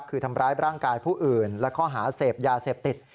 คือทำร้ายร่างกายผู้อื่นและข้อหาเสพยาเสพติด